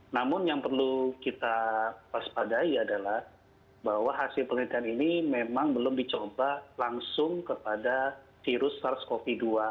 namun yang perlu kita waspadai adalah bahwa hasil penelitian ini memang belum dicoba langsung kepada virus sars cov dua